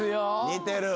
似てる。